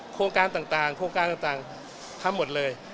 โครงการต่างโครงการต่างทำหมดเลย